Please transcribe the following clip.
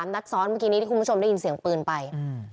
นัดซ้อนเมื่อกี้นี้ที่คุณผู้ชมได้ยินเสียงปืนไป